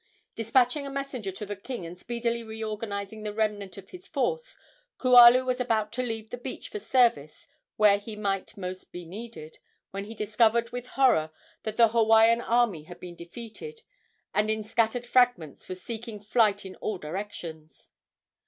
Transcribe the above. Despatching a messenger to the king, and speedily reorganizing the remnant of his force, Kualu was about to leave the beach for service where he might most be needed, when he discovered, with horror, that the Hawaiian army had been defeated, and in scattered fragments was seeking flight in all directions.